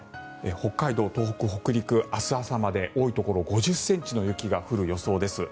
北海道、東北・北陸、明日朝まで多いところ５０ｃｍの雪が降る予想です。